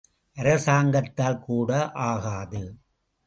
அரசாங்கத்தால் கூட ஆகாது.